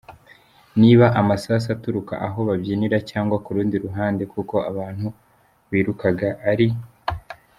niba amasasu aturuka aho babyinira cg ku rundi ruhande kuko abantu birukaga ari.